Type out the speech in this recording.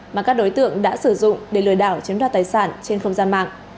mà các đối tượng đã sử dụng để lừa đảo chiếm đoạt tài sản trên không gian mạng